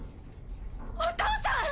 お父さん！